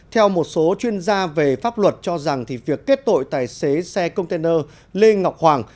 theo một số chuyên gia về pháp luật cho rằng việc kết tội tài xế xe container lê ngọc hoàng